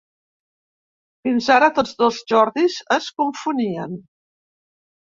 Fins ara tots dos ‘Jordis’ es confonien.